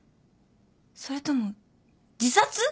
それとも自殺？